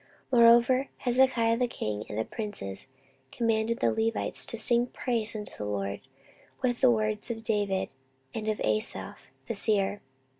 14:029:030 Moreover Hezekiah the king and the princes commanded the Levites to sing praise unto the LORD with the words of David, and of Asaph the seer.